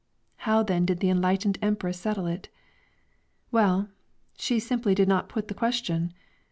How then did the enlightened Empress settle it? Well, she simply did not put the question.